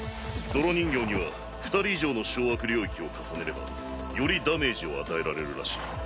泥人形には２人以上の掌握領域を重ねればよりダメージを与えられるらしい。